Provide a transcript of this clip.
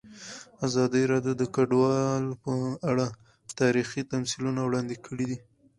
ازادي راډیو د کډوال په اړه تاریخي تمثیلونه وړاندې کړي.